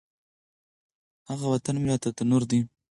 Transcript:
هغه وطن مي راته تنور دی